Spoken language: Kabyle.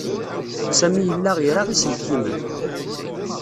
Sami yella ira iselkimen.